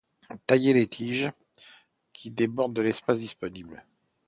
Tailler les tiges qui débordent de l'espace disponible.